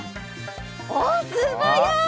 おおすばやい！